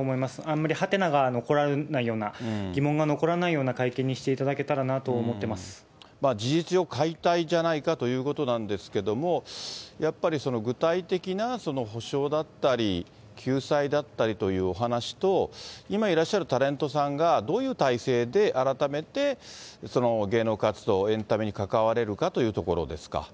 あんまりはてなが残らないような、疑問が残らないような会見にして事実上、解体じゃないかということなんですけども、やっぱり具体的な補償だったり、救済だったりというお話と、今いらっしゃるタレントさんがどういう体制で改めて芸能活動、エンタメに関われるかというところですか。